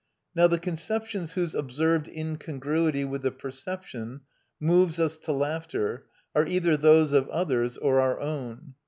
Now the conceptions whose observed incongruity with the perceptions moves us to laughter are either those of others or our own.